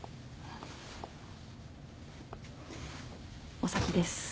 お先です。